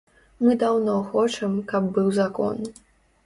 Мы даўно хочам, каб быў закон.